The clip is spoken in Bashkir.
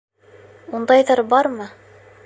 Ундайҙар бармы?